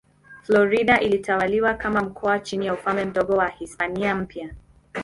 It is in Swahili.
Florida ilitawaliwa kama mkoa chini ya Ufalme Mdogo wa Hispania Mpya.